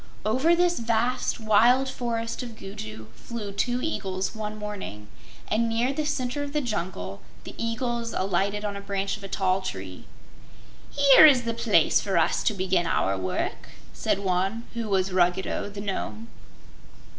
Over this vast, wild Forest of Gugu flew two eagles, one morning, and near the center of the jungle the eagles alighted on a branch of a tall tree. "Here is the place for us to begin our work," said one, who was Ruggedo, the Nome.